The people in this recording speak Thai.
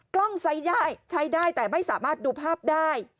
กล้องใช้ได้ใช้ได้แต่ไม่สามารถดูภาพได้